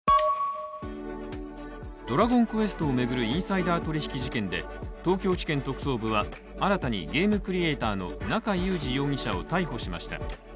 ドラゴンクエストを巡るインサイダー取引事件で、東京地検特捜部は新たにゲームクリエイターの中裕司容疑者を逮捕しました。